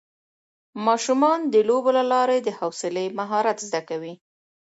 ماشومان د لوبو له لارې د حوصلې مهارت زده کوي